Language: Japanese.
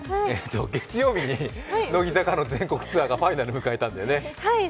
月曜日に乃木坂の全国ツアーがファイナル迎えたんでだよね？